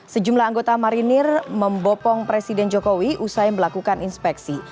sejumlah anggota marinir membopong presiden jokowi usai melakukan inspeksi